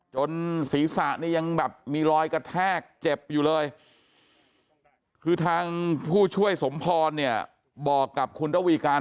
ศีรษะนี่ยังแบบมีรอยกระแทกเจ็บอยู่เลยคือทางผู้ช่วยสมพรเนี่ยบอกกับคุณระวีการ